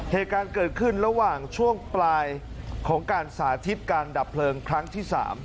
เหตุการณ์เกิดขึ้นระหว่างช่วงปลายของการสาธิตการดับเพลิงครั้งที่๓